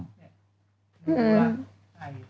ไม่รู้ละ